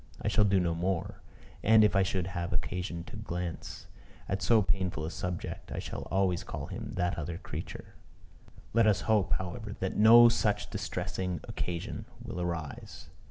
I shall do so no more; and, if I should have occasion to glance at so painful a subject, I shall always call him "that other creature." Let us hope, however, that no such distressing occasion will arise.